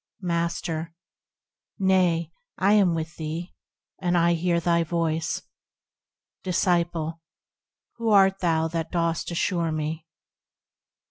Master. Nay, I am with thee, and I hear thy voice. Disciple. Who art thou that dost assure, me